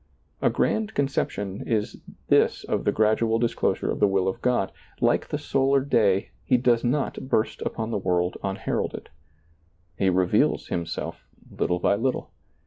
A grand conception is this of the gradual dis closure of the will of God ; like the solar day, He does not burst upon the world unheralded. He ^lailizccbvGoOgle RAHAB 33 reveals Himself little by little.